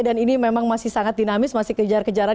dan ini memang masih sangat dinamis masih kejar kejaran